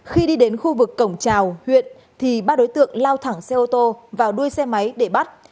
khi đi đến khu vực cổng trào huyện thì ba đối tượng lao thẳng xe ô tô vào đuôi xe máy để bắt